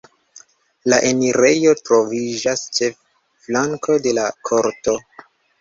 La enirejo troviĝas ĉe flanko de la korto.